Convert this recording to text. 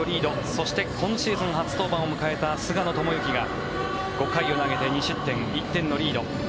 そして今シーズン初登板を迎えた菅野智之が５回を投げて２失点１点のリード。